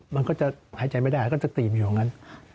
มันก็จะหายใจไม่ได้ก็จะตีมอยู่อย่างนั้น